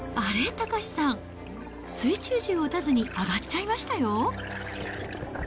岳さん、水中銃を撃たずに上がっちゃいましたよ。